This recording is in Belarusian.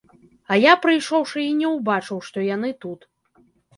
А я, прыйшоўшы, і не ўбачыў, што яны тут.